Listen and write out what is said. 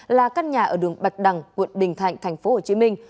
là các nhà ở đường bạch đằng quận bình thạnh tp hcm